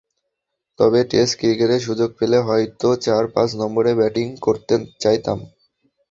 তবে টেস্ট ক্রিকেটে সুযোগ পেলে হয়তো চার-পাঁচ নম্বরে ব্যাটিং করতে চাইতাম।